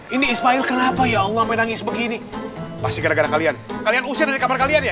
ini ismail kenapa ya allah sampai nangis begini pasti gara gara kalian kalian usir dari kamar kalian ya